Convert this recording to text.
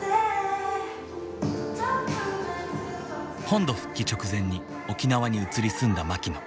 本土復帰直前に沖縄に移り住んだマキノ。